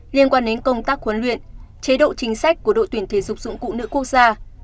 liên quan đến công tác huấn luyện chế độ chính sách của đội tuyển thể dục dụng cụ nữ quốc gia